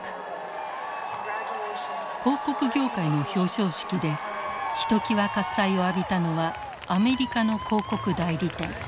広告業界の表彰式でひときわ喝采を浴びたのはアメリカの広告代理店。